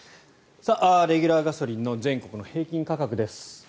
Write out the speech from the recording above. レギュラーガソリンの全国の平均価格です。